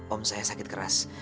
om saya sakit keras